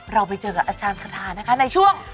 เราไปเจอกับอาจารย์คาทานะคะในช่วง